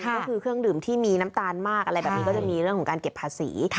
ก็คือเครื่องดื่มที่มีน้ำตาลมากอะไรแบบนี้ก็จะมีเรื่องของการเก็บภาษี